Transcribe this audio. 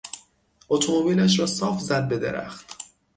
اتومبیلش را صاف زد به درخت.